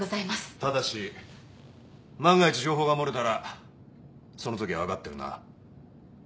ただし万が一情報が漏れたらそのときは分かってるな？